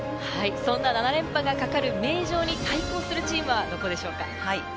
そんな７連覇がかかる名城に対抗するチームはどこでしょうか？